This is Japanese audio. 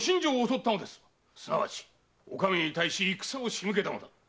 すなわちお上に対し戦を仕向けたのだ。